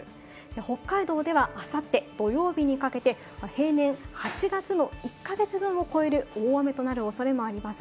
北海道ではあさって土曜日にかけて平年８月の１か月分を超える大雨となる恐れもあります。